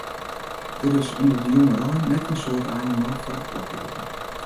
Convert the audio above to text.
Der is ûnder de jongerein net in soad animo foar it kloklieden.